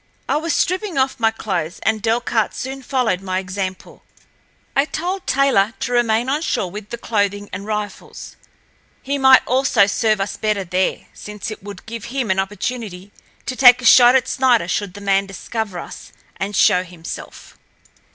I was stripping off my clothes, and Delcarte soon followed my example. I told Taylor to remain on shore with the clothing and rifles. He might also serve us better there, since it would give him an opportunity to take a shot at Snider should the man discover us and show himself.